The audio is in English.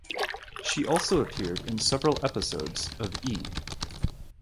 She also appeared in several episodes of E!